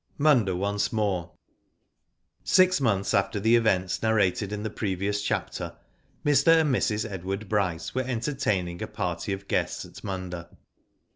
MUNDA ONCE MORE. Six months after the events narrated in the pre vious chapter, Mr. and Mrs. Edward Bryce were entertaining a party of guests at Munda.